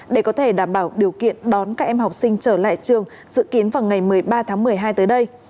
để có thể đảm bảo điều kiện đón các em học sinh trở lại trường dự kiến vào ngày một mươi ba tháng một mươi hai tới đây